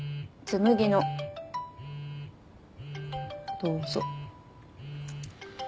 どうぞ。